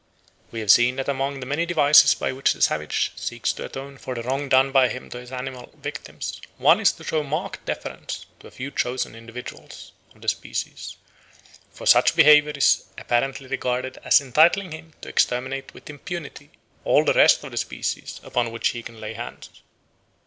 We have seen that among the many devices by which the savage seeks to atone for the wrong done by him to his animal victims one is to show marked deference to a few chosen individuals of the species, for such behaviour is apparently regarded as entitling him to exterminate with impunity all the rest of the species upon which he can lay hands.